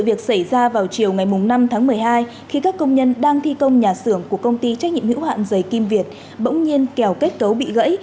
vụ việc xảy ra vào chiều ngày năm tháng một mươi hai khi các công nhân đang thi công nhà xưởng của công ty trách nhiệm hữu hạn dày kim việt bỗng nhiên kèo kết cấu bị gãy